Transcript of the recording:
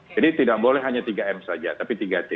tidak boleh hanya tiga m saja tapi tiga t